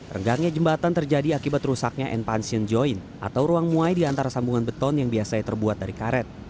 renggangnya jembatan terjadi akibat rusaknya enpansion joint atau ruang muay di antara sambungan beton yang biasanya terbuat dari karet